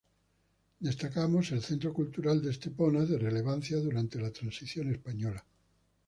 Destacamos el Centro Cultural de Estepona, de relevancia durante la transición española.